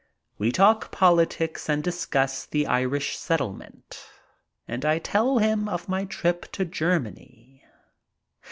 We talk politics and discuss the Irish settlement and I tell him of my trip to Germany.